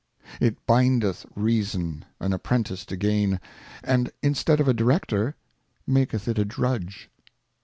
It bindeth Reason an Apprentice to Gain, and instead of a Director, maketh it a Drudge.